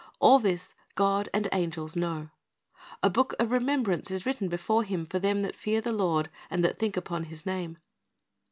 All this God and angels know. A book of remembrance is written before Piim for them that fear the Lord and that think upon His name.